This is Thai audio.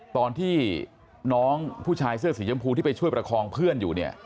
ตอนที่น้องผู้ชายเสื้อสีชมพูที่ไปช่วยประคองเพื่อนอยู่เนี่ย